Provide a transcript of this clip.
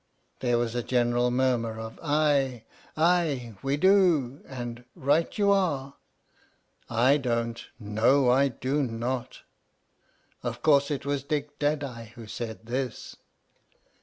" There was a general murmur of "Aye, aye," "we do," and " right you are." " I don't— no, I do not\ " Of course it was Dick Deadeye who said this.